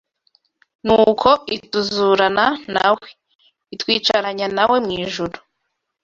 Nuko ituzurana na we, itwicaranya na we mu ijuru